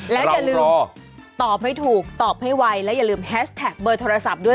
แล้วอย่าลืมตอบให้ถูกตอบให้ไวและอย่าลืมแฮชแท็กเบอร์โทรศัพท์ด้วย